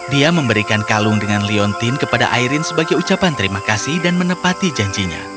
dia memberikan kalung dengan leontin kepada airin sebagai ucapan terima kasih dan menepati janjinya